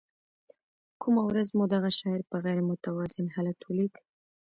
کومه ورځ مو دغه شاعر په غیر متوازن حالت ولید.